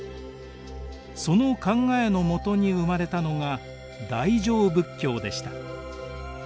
その考えのもとに生まれたのが大乗仏教でした。